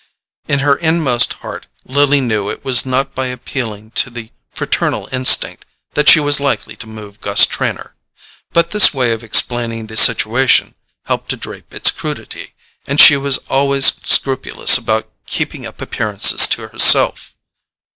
In her inmost heart Lily knew it was not by appealing to the fraternal instinct that she was likely to move Gus Trenor; but this way of explaining the situation helped to drape its crudity, and she was always scrupulous about keeping up appearances to herself.